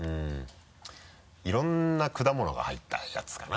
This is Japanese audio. いろんな果物が入ったやつかな。